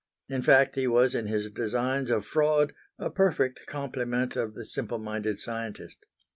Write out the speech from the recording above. In fact he was in his designs of fraud a perfect complement of the simple minded scientist.